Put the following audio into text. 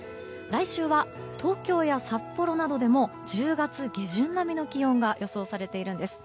来週は東京や札幌などでも１０月下旬並みの気温が予想されているんです。